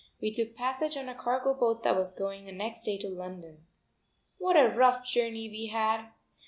We took passage on a cargo boat that was going the next day to London. What a rough journey we had!